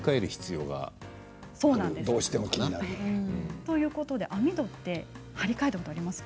ということで網戸は張り替えたことありますか。